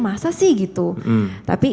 masa sih gitu tapi